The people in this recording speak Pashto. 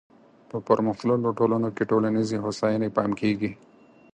په پرمختللو ټولنو کې ټولنیزې هوساینې پام کیږي.